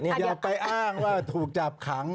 อย่าไปอ้างว่าถูกจับขัง